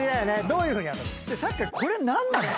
どういうふうに遊ぶの？